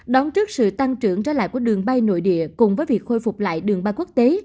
đón trước sự tăng trưởng trở lại của đường bay nội địa cùng với việc khôi phục lại đường bay quốc tế